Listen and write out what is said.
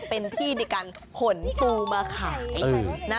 เป็นที่ที่กันขนปูมาขาย